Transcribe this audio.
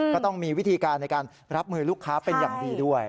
ก็ต้องมีวิธีการในการรับมือลูกค้าเป็นอย่างดีด้วย